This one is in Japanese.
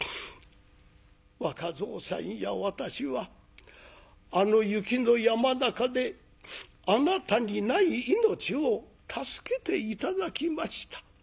若蔵さんや私はあの雪の山中であなたにない命を助けて頂きました。